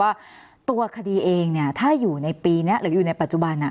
ว่าตัวคดีเองเนี่ยถ้าอยู่ในปีนี้หรืออยู่ในปัจจุบัน